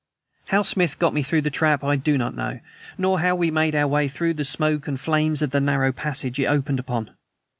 How Smith got me through the trap I do not know nor how we made our way through the smoke and flames of the narrow passage it opened upon.